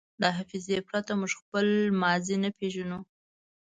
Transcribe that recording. له حافظې پرته موږ خپله ماضي نه پېژنو.